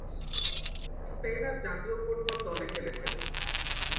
স্পেনের জাতীয় ফুটবল দলে খেলেছেন।